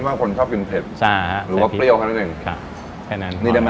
แมคก๋วยเกิยเกิย